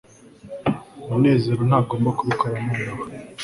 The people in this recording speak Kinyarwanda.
munezero ntagomba kubikora nonaha